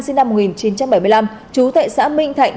sinh năm một nghìn chín trăm bảy mươi năm trú tại xã minh thạnh